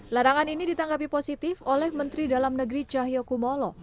larangan ini ditanggapi positif oleh menteri dalam negeri cahyokumolo